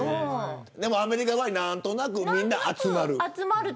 でもアメリカは何となく、みんな集まる。